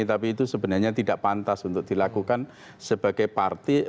tapi itu sebenarnya tidak pantas untuk dilakukan sebagai partai